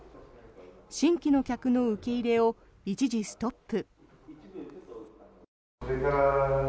新規の客の受け入れを一時ストップ。